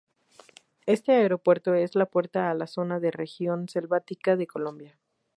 Este aeropuerto es la puerta a la zona de región selvática de Colombia.